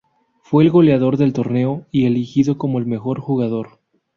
Fue el goleador del torneo y elegido como el mejor jugador.